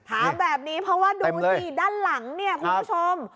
ถามแบบนี้เพราะว่าดูสิด้านหลังเนี่ยคุณผู้ชม